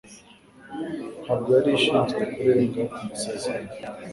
Ntabwo yari ashinzwe kurenga ku masezerano.